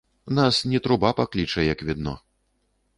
Нас не труба пакліча, як відно.